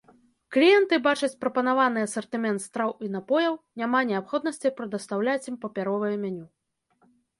Кліенты бачаць прапанаваны асартымент страў і напояў, няма неабходнасці прадастаўляць ім папяровае меню.